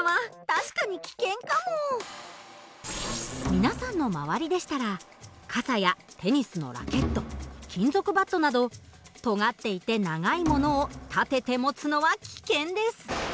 皆さんの周りでしたら傘やテニスのラケット金属バットなどとがっていて長いものを立てて持つのは危険です。